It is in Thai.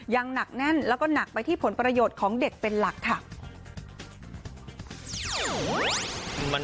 ยังหนักแน่นแล้วก็หนักไปที่ผลประโยชน์ของเด็กเป็นหลักค่ะ